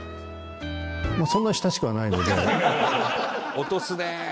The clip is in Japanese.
落とすねえ！